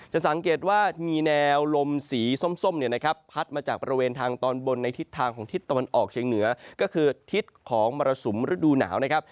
จะสังเกตว่ามีแนวลมสีส้มเนี่ยนะครับพัดมาจากบริเวณทางตอนบนในทิศทางของทิศตะวันออกเชียงเหนือก็คือทิศของมรสุมฤดูหนาวนะครับ